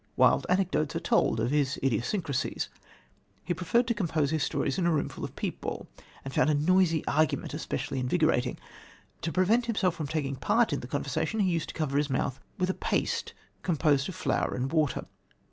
Wild anecdotes are told of his idiosyncrasies. He preferred to compose his stories in a room full of people, and he found a noisy argument especially invigorating. To prevent himself from taking part in the conversation, he used to cover his mouth with paste composed of flour and water.